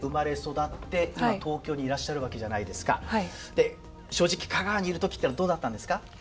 で正直香川にいる時ってのはどうだったんですか？